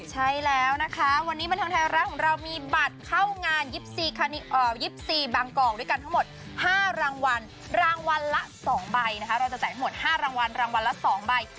ใช่แล้วนะคะวันนี้บรรเทิงไทยรัฐของเรามีบัตรเข้างาน๒๔บางกอกด้วยกันทั้งหมด๕รางวัลรางวัลละ๒ใบนะคะเราจะจ่ายให้หมด๕รางวัลรางวัลละ๒ใบ